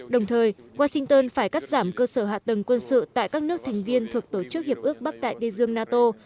đồng thời washington phải cắt giảm cơ sở hạ tầng quân sự tại các nước thành viên thuộc tổ chức hiệp ước bắc đại tây dương nato